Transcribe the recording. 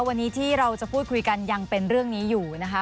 วันนี้ที่เราจะพูดคุยกันยังเป็นเรื่องนี้อยู่นะคะ